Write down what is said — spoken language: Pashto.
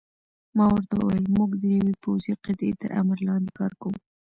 ما ورته وویل: موږ د یوې پوځي قطعې تر امر لاندې کار کوو.